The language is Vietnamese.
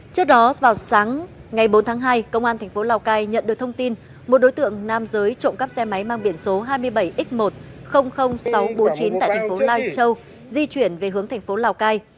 trước đó vào sáng ngày bốn tháng hai công an thành phố lào cai nhận được thông tin một đối tượng nam giới trộm cắp xe máy mang biển số hai mươi bảy x một trăm linh nghìn sáu trăm bốn mươi chín tại thành phố lai châu di chuyển về hướng thành phố lào cai